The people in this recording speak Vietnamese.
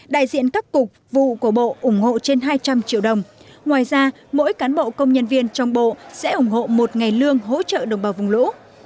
đại diện các cục vụ của bộ ủng hộ trên hai trăm linh triệu đồng ngoài ra mỗi cán bộ công nhân viên trong bộ sẽ ủng hộ một ngày lương hỗ trợ đồng bào vùng lũ